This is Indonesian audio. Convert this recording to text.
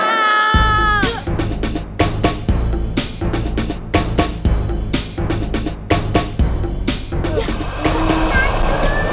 eh jangan yang ngerang